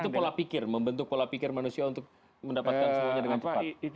itu pola pikir membentuk pola pikir manusia untuk mendapatkan semuanya dengan tepat